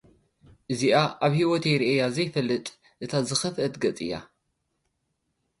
እዚኣ ኣብ ሂወተይ ሪአያ ዘይፈልጥ እታ ዝኸፈአት ገጽ እያ።